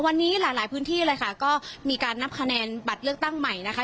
วันนี้หลายหลายพื้นที่เลยค่ะก็มีการนับคะแนนบัตรเลือกตั้งใหม่นะคะ